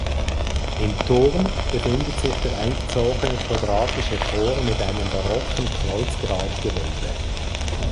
Im Turm befindet sich der eingezogene quadratische Chor mit einem barocken Kreuzgratgewölbe.